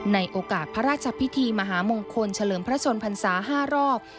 ในโอกาสพระราชพิธีมหามงคลเฉลิมพระชนพรรษา๕รอบ